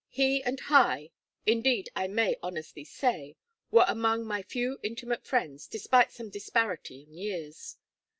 He and Hi, indeed, I may honestly say, were among my few intimate friends, despite some disparity in years.